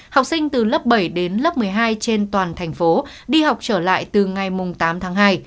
học sinh từ lớp bảy đến lớp một mươi hai trên toàn thành phố đi học trở lại từ ngày tám tháng hai